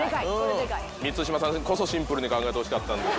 満島さんこそシンプルに考えてほしかったんですが。